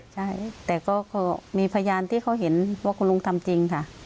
ใช่แต่ก็มีพยานที่เขาเห็นว่าคุณลุงทำจริงค่ะ